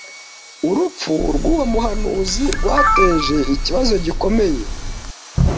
Urupfu rw’uwo muhanuzi rwateje ikibazo gikomeye